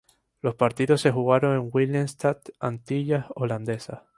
Los partidos se jugaron en Willemstad, Antillas Holandesas.